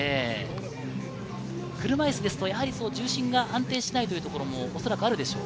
車いすですと、重心が安定しないというところもおそらくあるでしょう。